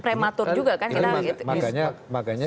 prematur juga kan makanya